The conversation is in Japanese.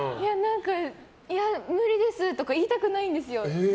無理ですとか言いたくないんですよ。